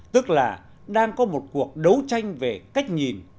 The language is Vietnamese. tức là đang có một cuộc đấu tranh về cách nhìn